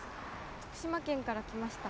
徳島県から来ました